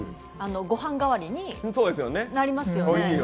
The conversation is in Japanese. ご飯代わりになりますよね。